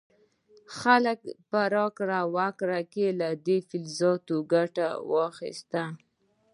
خلکو په راکړه ورکړه کې له دې فلزاتو ګټه واخیسته.